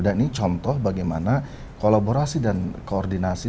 dan ini contoh bagaimana kolaborasi dan koordinasi